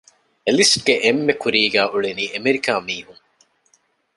އެ ލިސްޓްގެ އެންމެ ކުރީގައި އުޅެނީ އެމެރިކާ މީހުން